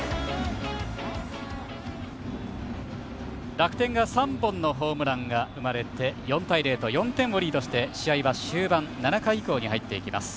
楽天に３本のホームランが生まれて４対０と４点をリードして試合は終盤、７回以降に入っていきます。